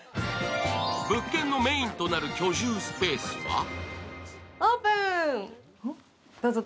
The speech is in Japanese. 物件のメインとなる居住スペースは最高！